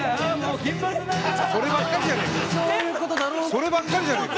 そればっかりじゃねえか！